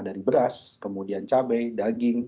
dari beras kemudian cabai daging